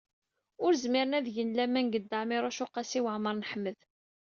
Ur zmiren ad gen laman deg Dda Ɛmiiruc u Qasi Waɛmer n Ḥmed.